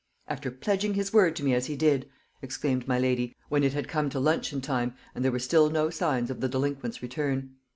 "After pledging his word to me as he did!" exclaimed my lady, when it had come to luncheon time and there were still no signs of the delinquent's return.